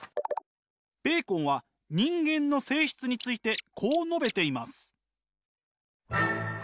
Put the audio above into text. ベーコンは人間の性質についてこう述べています。